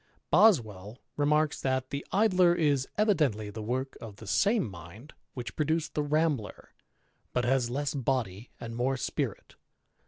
BoBwell remarks that the Idler is " evidently the work of ^ same mind which produced the Ramhler^ but has less body and ^Ore spirit •